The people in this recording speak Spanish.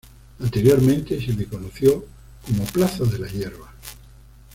Anteriormente se le conoció como plaza de las hierbas.